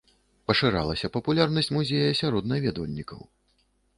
Пашыралася папулярнасць музея сярод наведвальнікаў.